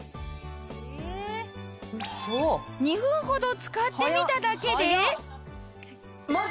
２分ほど使ってみただけで。